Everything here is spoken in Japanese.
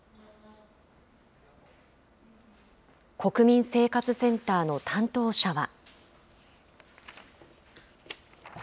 国民生活センターの担当者は。